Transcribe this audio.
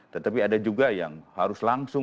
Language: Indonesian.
tetapi ada juga yang harus langsung